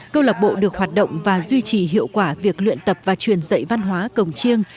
câu lạc bộ được hoạt động và duy trì hiệu quả việc luyện tập và truyền dạy văn hóa cổng chiêng